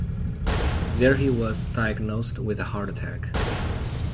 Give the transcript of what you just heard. There he was diagnosed with a heart attack.